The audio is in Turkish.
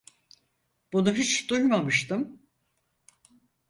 Bunu hiç duymamıştım.